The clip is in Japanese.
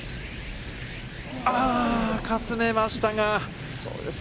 かすめましたが。